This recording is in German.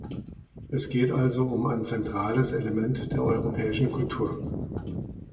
Es geht also um ein zentrales Element der europäischen Kultur.